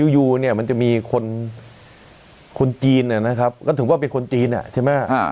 อยู่เนี่ยมันจะมีคนจีนนะครับก็ถือว่าเป็นคนจีนใช่ไหม